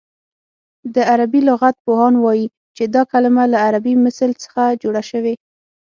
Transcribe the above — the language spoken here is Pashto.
د عربي لغت پوهان وايي چې دا کلمه له عربي مثل څخه جوړه شوې